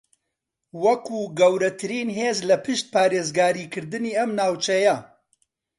وەکو گەورەترین ھێز لە پشت پارێزگاریکردنی ئەم ناوچەیە